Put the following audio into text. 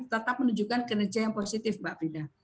tetap menunjukkan kinerja yang positif mbak frida